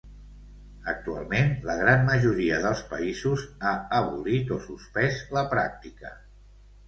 Actualment, la gran majoria dels països ha abolit o suspès la pràctica.